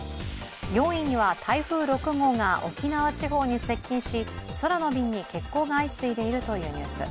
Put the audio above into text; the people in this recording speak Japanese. ４位には台風６号が沖縄地方に接近し、空の便に欠航が相次いでいるというニュース。